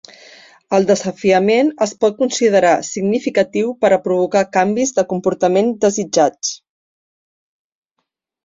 El desafiament es pot considerar significatiu per a provocar canvis de comportament desitjats.